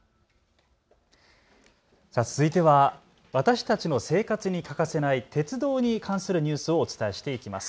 続いては私たちの生活に欠かせない鉄道に関するニュースをお伝えしていきます。